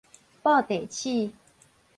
布袋鼠